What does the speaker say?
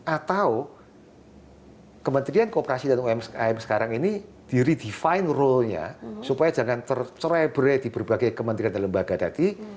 atau kementerian kooperasi dan umkm sekarang ini di redefine rule nya supaya jangan tercerai berai di berbagai kementerian dan lembaga tadi